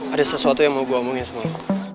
ada sesuatu yang mau gue omongin sama lo